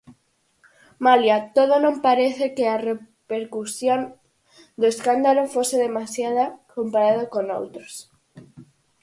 Malia todo, non parece que a repercusión do escándalo fose demasiada comparado con outros.